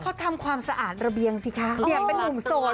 เขาทำความสะอาดระเบียงสิคะเนี่ยเป็นนุ่มโสด